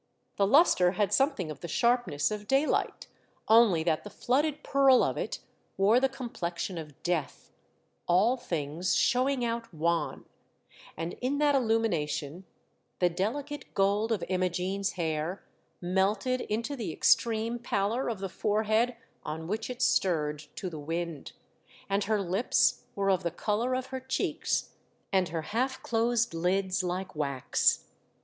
The lustre had something of the sharpness of daylight, only that the flooded pearl of it wore the com plexion of death, all things showing out wan ; and in that illumination the delicate gold of Imoofene's hair melted into the extreme pallor of the forehead on which it stirred to the wind, and her lips were of the colour of her cheeks, and her half closed lids like wax.